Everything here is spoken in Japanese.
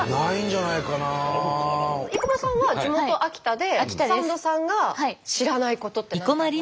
生駒さんは地元秋田でサンドさんが知らないことって何かありますか？